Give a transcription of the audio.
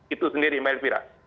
itu sendiri mbak elvira